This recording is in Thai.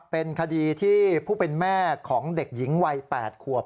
เป็นคดีที่ผู้เป็นแม่ของเด็กหญิงวัย๘ขวบ